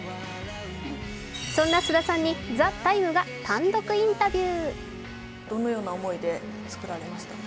そんな菅田さんに「ＴＨＥＴＩＭＥ，」が単独インタビュー。